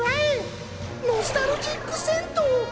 ノスタルジック銭湯吉陽湯！